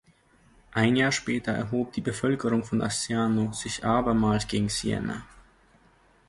Ein Jahr später erhob die Bevölkerung von Asciano sich abermals gegen Siena.